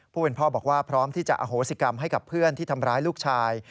ผู้เป็นพ่อบอกว่าพร้อมที่จะอโหสิกรรมให้กับเพื่อนที่ทำร้ายลูกชาย